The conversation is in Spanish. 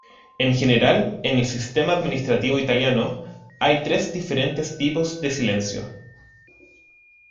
En general, en el sistema administrativo italiano hay tres diferentes tipos de silencio.